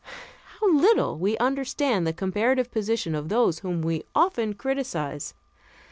How little we understand the comparative position of those whom we often criticise.